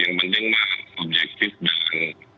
yang penting mah objektif dan